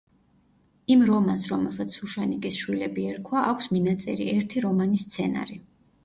იმ რომანს, რომელსაც „შუშანიკის შვილები“ ერქვა აქვს მინაწერი: „ერთი რომანის სცენარი“.